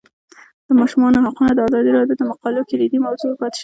د ماشومانو حقونه د ازادي راډیو د مقالو کلیدي موضوع پاتې شوی.